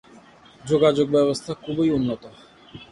যোগাযোগ ব্যবস্থা খুবই উন্নত।